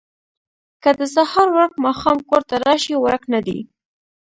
ـ که د سهار ورک ماښام کور ته راشي ورک نه دی.